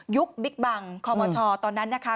บิ๊กบังคอมชตอนนั้นนะคะ